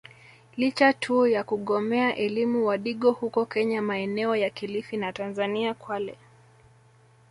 Licha tu ya kugomea elimu wadigo huko kenya maeneo ya kilifi na Tanzania Kwale